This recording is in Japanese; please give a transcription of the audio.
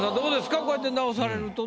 こうやって直されるとね。